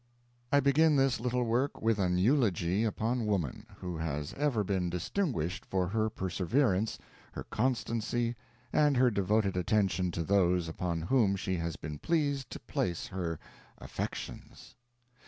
I begin this little work with an eulogy upon woman, who has ever been distinguished for her perseverance, her constancy, and her devoted attention to those upon whom she has been pleased to place her affections.